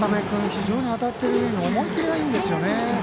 非常に当たっている上に思い切りがいいんですよね。